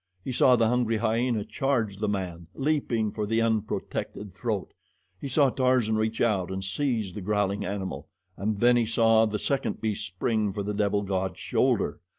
He saw the hungry hyena charge the man, leaping for the unprotected throat. He saw Tarzan reach out and seize the growling animal, and then he saw the second beast spring for the devil god's shoulder.